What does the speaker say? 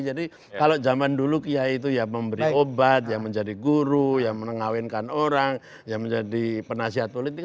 jadi kalau zaman dulu kiai itu ya memberi obat ya menjadi guru ya menengawinkan orang ya menjadi penasihat politik